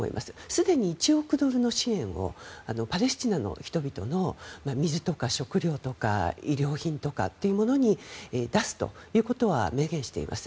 すでに１億ドルの支援をパレスチナの人々の水とか食料とか衣料品というものに出すということは明言しています。